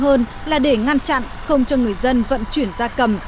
quan trọng hơn là để ngăn chặn không cho người dân vận chuyển gia cầm